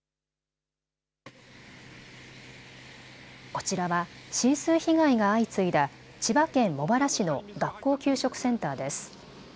こちらは浸水被害が相次いだ千葉県茂原市の学校給食センターです。